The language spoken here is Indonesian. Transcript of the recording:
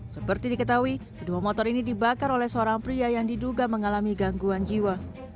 seperti diketahui kedua motor ini dibakar oleh seorang pria yang diduga mengalami gangguan jiwa